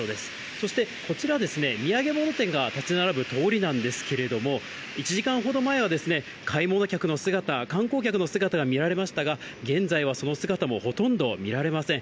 そしてこちらですね、土産物店が建ち並ぶ通りなんですけれども、１時間ほど前は買い物客の姿、観光客の姿が見られましたが、現在はその姿もほとんど見られません。